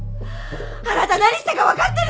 あなた何したか分かってるの？